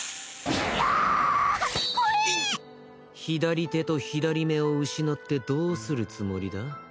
左手と左目を失ってどうするつもりだ？